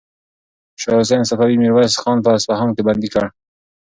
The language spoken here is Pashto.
شاه حسین صفوي میرویس خان په اصفهان کې بندي کړ.